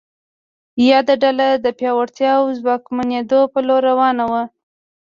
یاده ډله د پیاوړتیا او ځواکمنېدو په لور روانه وه.